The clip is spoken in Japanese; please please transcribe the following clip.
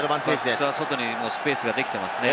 フランスは外にスペースができていますね。